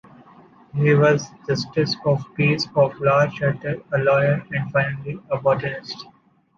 He was a Justice of the Peace at La Châtre, a lawyer and finally a botanist.